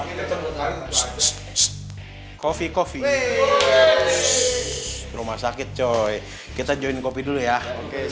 gue harus telepon dadah